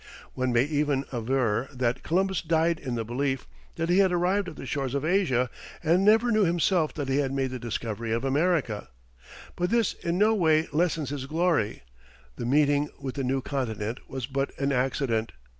One may even aver that Columbus died in the belief that he had arrived at the shores of Asia, and never knew himself that he had made the discovery of America. But this in no way lessens his glory; the meeting with the new Continent was but an accident.